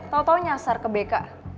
tau tau nyasar ke bk